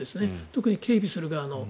特に警備する側の。